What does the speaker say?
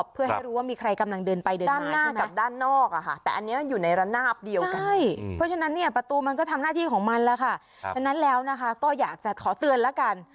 เพราะฉะนั้นแล้วนะคะก็อยากจะขอเตือนละกัน